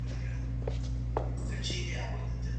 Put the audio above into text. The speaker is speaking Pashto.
که ته ښه ګاونډی اوسې نو خلک به ستا ستاینه وکړي.